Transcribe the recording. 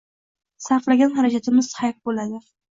Sarflagan xarajatimiz hayf bo‘ladi